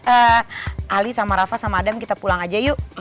eh ali sama rafa sama adam kita pulang aja yuk